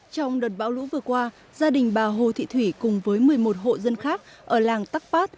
trong đợt bão lũ vừa qua gia đình bà hồ thị thủy cùng với một mươi một hộ dân khác ở làng tắc phát